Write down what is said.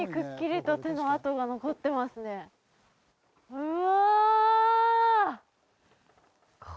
うわ